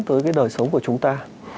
tới cái đời sống của chúng ta